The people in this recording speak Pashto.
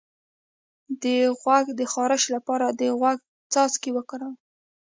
د غوږ د خارش لپاره د غوږ څاڅکي وکاروئ